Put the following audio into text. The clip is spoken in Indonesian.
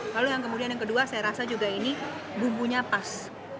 lalu yang kemudian yang kedua saya rasa juga ini bumbunya pas